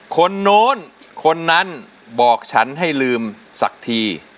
คนโน้นคนนั้นบอกฉันให้ลืมสักที